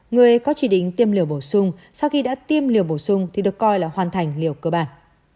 người có chỉ định tiêm liều bổ sung sau khi đã tiêm liều bổ sung thì được coi là hoàn thành liều cơ bản